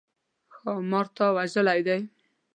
ښامار تا وژلی دی؟